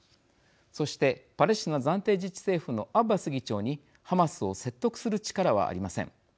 そしてパレスチナ暫定自治政府のアッバス議長にハマスを説得する力はありません。